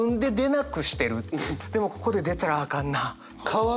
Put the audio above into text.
でもここで出たらあかんなあ。